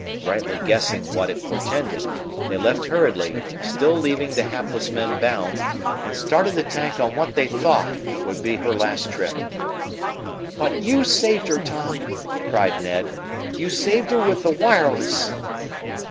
Rightly guessing what it portended, they left hurriedly, still leaving the hapless men bound, and started the tank on what they thought would be her last trip. "But you saved her, Tom!" cried Ned. "You saved her with the wireless."